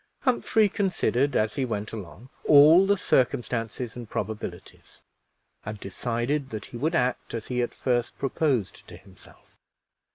Humphrey considered, as he went along, all the circumstances and probabilities, and decided that he would act as he at first proposed to himself.